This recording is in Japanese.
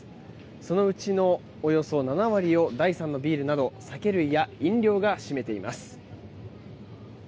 そのうちのおよそ７割を第３のビールなど酒類や飲料が占めています。